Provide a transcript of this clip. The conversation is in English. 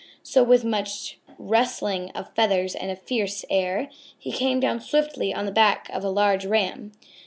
So with much rustling of feathers and a fierce air, he came down swiftly on the back of a large Ram.